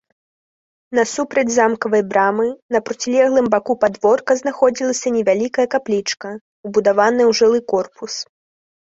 Насупраць замкавай брамы, на процілеглым баку падворка знаходзілася невялікая каплічка, убудаваная ў жылы корпус.